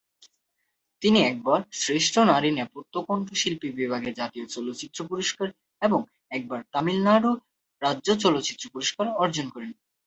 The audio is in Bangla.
তিনি একবার শ্রেষ্ঠ নারী নেপথ্য কণ্ঠশিল্পী বিভাগে জাতীয় চলচ্চিত্র পুরস্কার এবং একবার তামিলনাড়ু রাজ্য চলচ্চিত্র পুরস্কার অর্জন করেন।